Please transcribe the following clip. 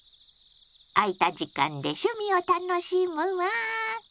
空いた時間で趣味を楽しむわ。